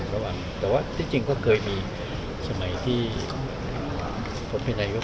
อย่างสามเสียงก็หายไปให้บนบรรลังแล้ว